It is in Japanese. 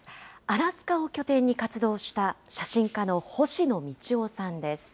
アラスカを拠点に活動した写真家の星野道夫さんです。